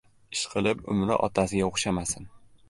Ishqilib umri otasiga oʻxshamasin.